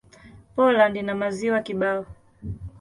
Poland ina maziwa kibao.